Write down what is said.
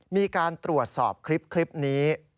มีการตรวจสอบคลิปนี้